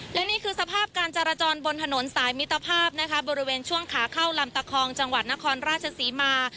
และนี่คือสภาพการจราจรบนถนนสายมิตรภาพนะคะบริเวณช่วงขาเข้าลำตะคองจังหวัดนครราชศรีมา